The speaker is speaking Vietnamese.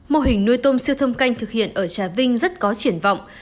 mô hình nuôi tôm siêu thâm canh thực hiện ở trà vinh rất có triển vọng